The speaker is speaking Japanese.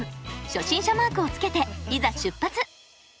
初心者マークをつけていざ出発！